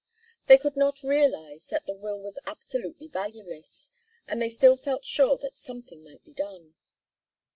They could not realize that the will was absolutely valueless, and they still felt sure that something might be done.